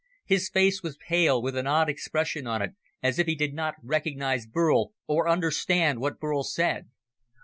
His face was pale, with an odd expression on it, as if he did not recognize Burl or understand what Burl said.